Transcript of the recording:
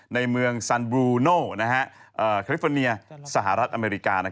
ในเมืองซันบลูโน่คริฟเฟอร์เนียสหรัฐอเมริกา